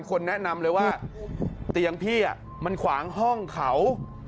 คนแนะนำเลยว่าเตียงพี่มันขวางห้องเขา